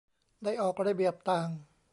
ได้ออกระเบียบต่าง